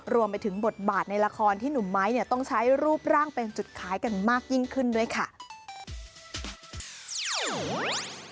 รวมไปถึงบทบาทในละครที่หนุ่มไม้เนี่ยต้องใช้รูปร่างเป็นจุดคล้ายกันมากยิ่งขึ้นด้วยค่ะ